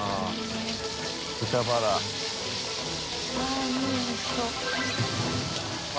あっもうおいしそう。